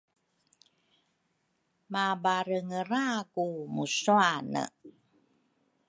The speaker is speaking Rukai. mabarengeraku musuane.